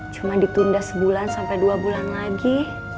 cuma ditunda sebulan sampai dua bulan lagi